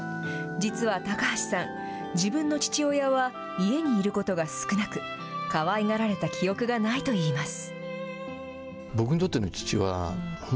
実は高橋さん、自分の父親は家にいることが少なく、かわいがられた記憶がないと言います。